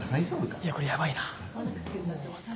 いやこれヤバいな。